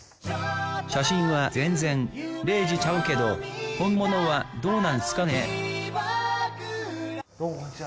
写真は全然礼二ちゃうけど本物はどうなんすかね？